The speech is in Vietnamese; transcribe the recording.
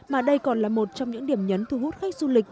mà đây còn là một trong những điểm nhấn thu hút khách du lịch